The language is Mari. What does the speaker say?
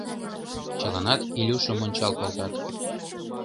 Чыланат Илюшым ончал колтат.